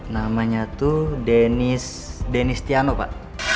namanya tuh dennis dennis tiano pak